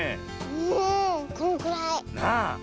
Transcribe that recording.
うんこのくらい。なあ。